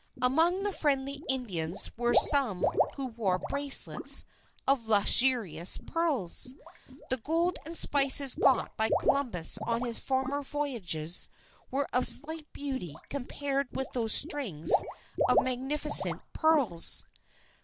Among the friendly Indians were some who wore bracelets of lustrous pearls. The gold and spices got by Columbus on his former voyages were of slight beauty compared with those strings of magnificent pearls.